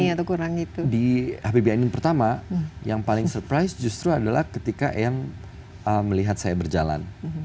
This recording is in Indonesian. iya yang paling di habibie ainun pertama yang paling surprise justru adalah ketika yang melihat saya berjalan